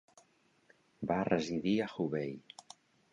Va residir a Hubei.